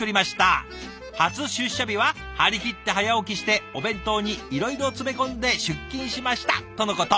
初出社日は張り切って早起きしてお弁当にいろいろ詰め込んで出勤しました」とのこと。